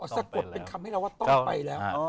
สะกดเป็นคำให้เราว่าต้องไปแล้ว